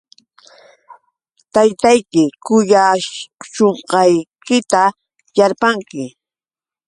Taytayki kuyashushqaykita yarpanki.